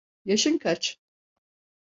Yaşın kaç?